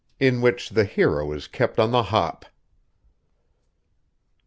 IN WHICH THE HERO IS KEPT ON THE HOP.